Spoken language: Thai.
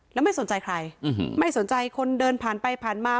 แล้วไม่สนใจใครไม่สนใจคนเดินผ่านไปผ่านมา